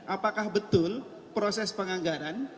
apakah betul proses penganggaran